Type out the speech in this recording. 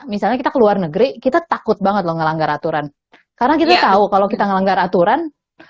misalnya kita ke luar negeri kita takut banget loh ngelanggar aturan karena kita tahu kalau kita ngelanggar aturan